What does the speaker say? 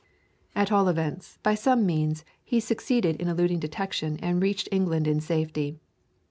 At all events, by some means he succeeded in eluding detection and reached England in safety.